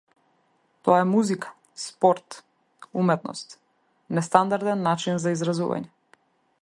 Тоа е музика, спорт, уметност, нестандарден начин за изразување.